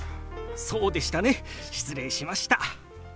そうでしたね失礼しました。